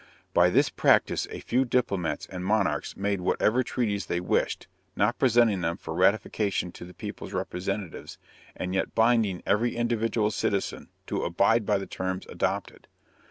By this practice a few diplomats and monarchs made whatever treaties they wished, not presenting them for ratification to the people's representatives, and yet binding every individual citizen to abide by the terms adopted.